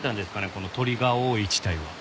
この鳥が多い地帯は。